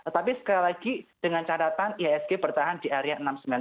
tapi sekali lagi dengan cadatan ihsg bertahan di area enam ribu sembilan ratus tiga puluh